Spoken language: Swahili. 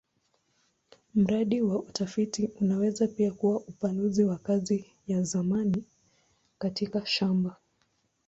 Mradi wa utafiti unaweza pia kuwa upanuzi wa kazi ya zamani katika shamba.